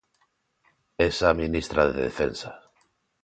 É xa ministra de Defensa.